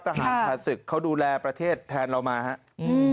ทหารผ่านศึกเขาดูแลประเทศแทนเรามาครับ